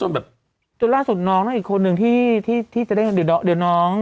จนล่าสุดน้องนะอีกคนนึงที่ที่จะเล่นกับเดี๋ยวน้อง